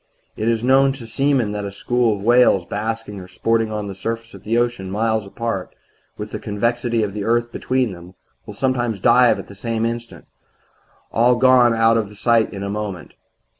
"It is known to seamen that a school of whales basking or sporting on the surface of the ocean, miles apart, with the convexity of the earth between them, will sometimes dive at the same instant all gone out of sight in a moment.